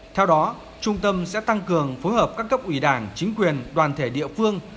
theo đó trung tâm sẽ tăng cường phối hợp các cấp ủy đảng chính quyền đoàn thể địa phương